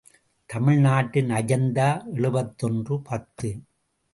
தமிழ் நாட்டின் அஜந்தா எழுபத்தொன்று பத்து.